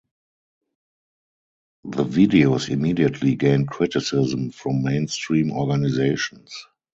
The videos immediately gained criticism from mainstream organizations.